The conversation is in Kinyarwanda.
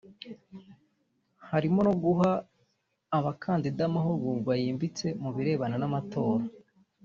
harimo no guha abakandida amahugurwa yimbitse mu birebana n’amatora